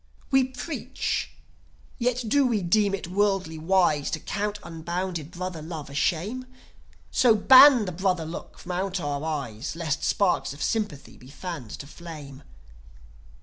We preach; yet do we deem it worldly wise To count unbounded brother love a shame, So, ban the brother look from out our eyes, Lest sparks of sympathy be fanned to flame.